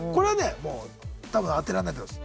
もう多分当てらんないと思います。